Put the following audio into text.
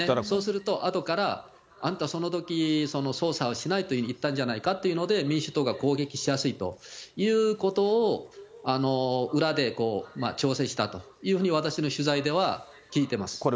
そうすると、あとから、あんたそのとき、捜査をしないと言ったんじゃないかと民主党が攻撃しやすいということを、裏で調整したというふうに、私の取材では聞いてます。